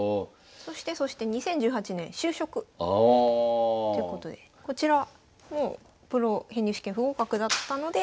そしてそして２０１８年就職。ということでこちらもうプロ編入試験不合格だったので諦めて。